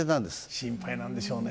心配なんでしょうね。